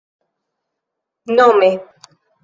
nome